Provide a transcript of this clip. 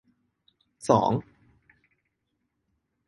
สอง